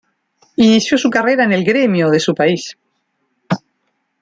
Inició su carrera en el Grêmio de su país.